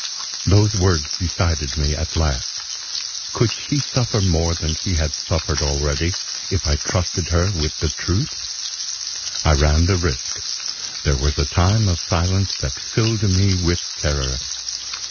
Those words decided me at last. Could she suffer more than she had suffered already, if I trusted her with the truth? I ran the risk. There was a time of silence that filled me with terror.